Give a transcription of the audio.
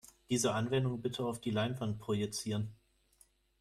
Diese Anwendung bitte auf die Leinwand projizieren.